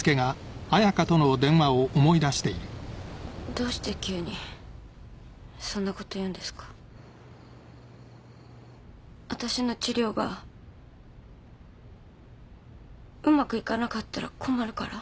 どうして急にそんなこと言わたしの治療がうまくいかなかったら困るから？